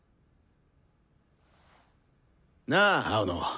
なあ青野。